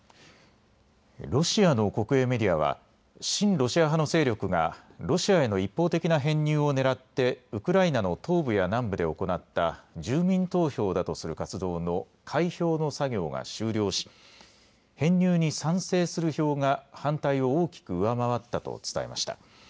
ロシアの国営メディアは親ロシア派の勢力がロシアへの一方的な編入をねらってウクライナの東部や南部で行った住民投票だとする活動の開票の作業が終了し編入に賛成する票が反対を大きく上回ったと伝えました。